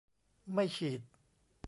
ไม่ฉีด